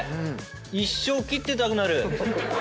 一生切ってたくなる。